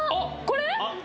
これ！？